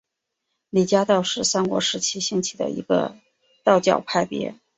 李家道是三国时期兴起的一个道教派别。